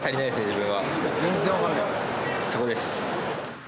そこです。